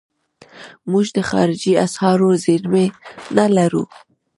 موږ د خارجي اسعارو زیرمې نه لرو.